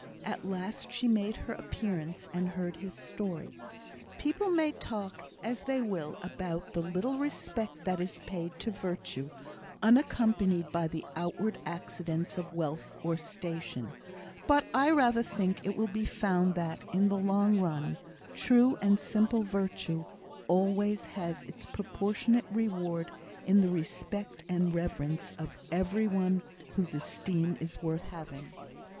At last she made her appearance and heard his story. People may talk as they will about the little respect that is paid to virtue, unaccompanied by the outward accidents of wealth or station; but I rather think it will be found that, in the long run, true and simple virtue always has its proportionate reward in the respect and reverence of every one whose esteem is worth having.